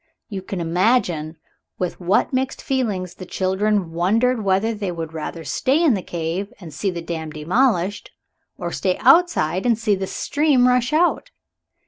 You can imagine with what mixed feelings the children wondered whether they would rather stay in the cave and see the dam demolished, or stay outside and see the stream rush out.